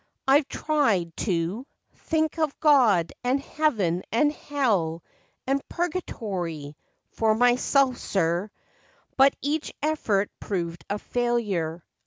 I 've tried to Think of God, and heaven, and hell, and Purgatory, for myself, sir, But each effort proved a failure.